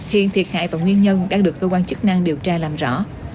hiện thiệt hại và nguyên nhân đang được cơ quan chức năng điều tra làm rõ